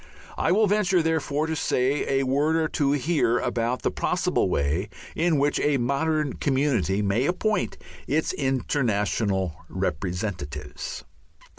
I will venture, therefore, to say a word or two here about the possible way in which a modern community may appoint its international representatives.